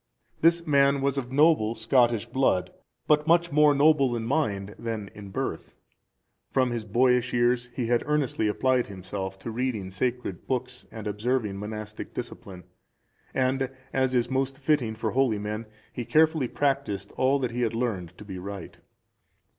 This man was of noble Scottish(382) blood, but much more noble in mind than in birth. From his boyish years, he had earnestly applied himself to reading sacred books and observing monastic discipline, and, as is most fitting for holy men, he carefully practised all that he learned to be right.